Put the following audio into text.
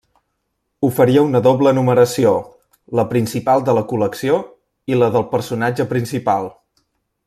Oferia una doble numeració, la principal de la col·lecció i la del personatge principal.